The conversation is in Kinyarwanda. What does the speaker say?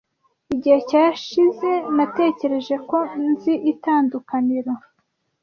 igihe cyashize natekereje ko nzi itandukaniro,